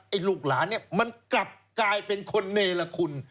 ไอ้ลูกหลานมันกลับกลายเป็นคนเนรคคุณ